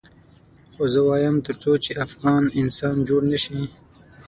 خو زه وایم تر څو چې افغان انسان جوړ نه شي.